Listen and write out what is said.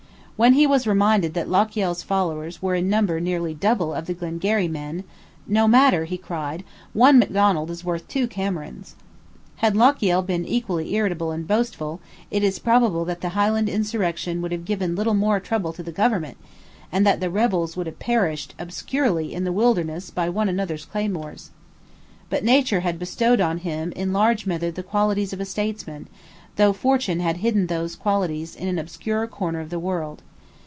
When he was reminded that Lochiel's followers were in number nearly double of the Glengarry men, "No matter," he cried, "one Macdonald is worth two Camerons." Had Lochiel been equally irritable and boastful, it is probable that the Highland insurrection would have given little more trouble to the government, and that the rebels would have perished obscurely in the wilderness by one another's claymores. But nature had bestowed on him in large measure the qualities of a statesman, though fortune had hidden those qualities in an obscure corner of the world.